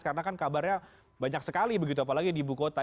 karena kan kabarnya banyak sekali begitu apalagi di ibu kota